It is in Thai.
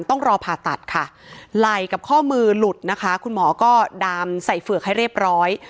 ต้องรอผ่าตัดค่ะไหล่กับข้อมือหลุดนะคะคุณหมอก็ดามใส่เฝือกให้เรียบร้อย